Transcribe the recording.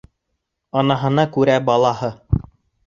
Анаһына күрә балаһы.